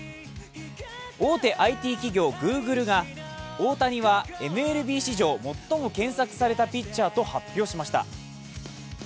大手ＩＴ企業Ｇｏｏｇｌｅが大谷はＭＬＢ史上最も検索されたピッチャーと発表しました。